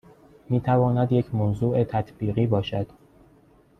میتواند یک موضوع تطبیقی باشد